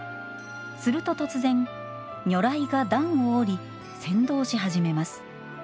すると突然、如来が壇を下り先導し始めます。